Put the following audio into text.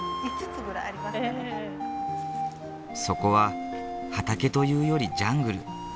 そこは畑というよりジャングル。